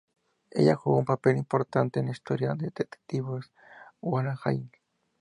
Ella jugó un papel importante en la historia de detectives "Who am I?